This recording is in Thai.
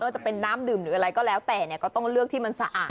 ต้องบอกตรงว่า